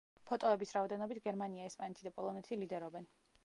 ფოტოების რაოდენობით გერმანია, ესპანეთი და პოლონეთი ლიდერობდნენ.